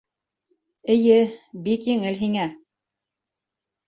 — Эйе, бик еңел һиңә.